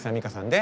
で？